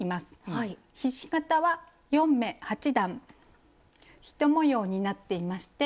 ひし形は４目８段１模様になっていまして。